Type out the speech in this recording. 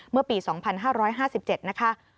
เมื่อปี๒๕๕๗นะคะ